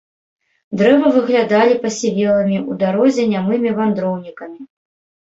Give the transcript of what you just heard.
Дрэвы выглядалі пасівелымі ў дарозе нямымі вандроўнікамі.